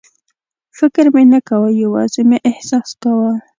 فکر مې نه کاوه، یوازې مې احساس کاوه.